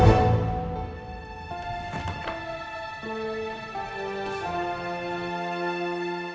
ya kalau pilih panggilan itu ya ada